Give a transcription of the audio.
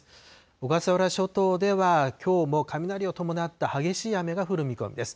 小笠原諸島ではきょうも雷を伴った激しい雨が降る見込みです。